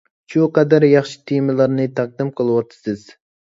شۇ قەدەر ياخشى تېمىلارنى تەقدىم قىلىۋاتىسىز.